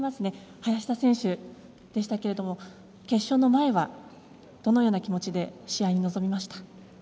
林田選手でしたが決勝の前はどのような気持ちで試合に臨みました？